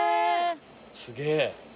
すげえ。